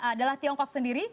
adalah tiongkok sendiri